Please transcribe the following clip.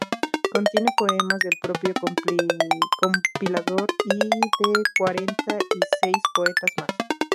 Contiene poemas del propio compilador y de cuarenta y seis poetas más.